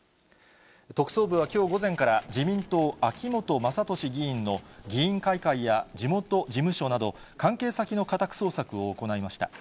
特捜部はきょう午前から、自民党、秋本真利議員の議員会館や地元事務所など、関係先の家宅捜索を行いました。